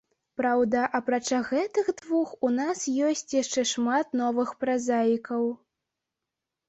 Праўда, апрача гэтых двух, у нас ёсць яшчэ шмат новых празаікаў.